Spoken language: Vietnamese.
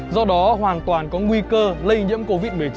do đó hoàn toàn có nguy cơ lây nhiễm covid một mươi chín